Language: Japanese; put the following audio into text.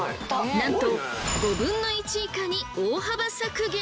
なんと５分の１以下に大幅削減！